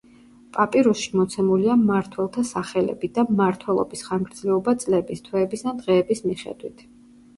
პაპირუსში მოცემულია მმართველთა სახელები და მმართველობის ხანგრძლივობა წლების, თვეების ან დღეების მიხედვით.